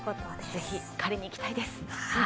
ぜひ狩りにいきたいです。